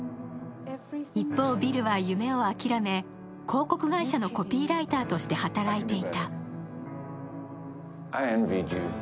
一方、ビルは夢を諦め、広告会社のコピーライターとして働いていた。